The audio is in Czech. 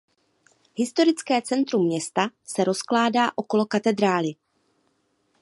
Historické centrum města se rozkládá okolo katedrály.